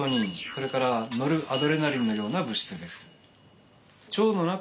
それからノルアドレナリンのような物質です。